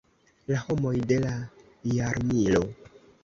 La homoj de la jarmilo.